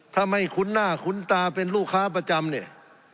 ถ้าไม่คุ้นหน้าคุ้นตาเป็นลูกค้าประจำเนี่ย